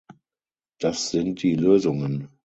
Das sind die Lösungen.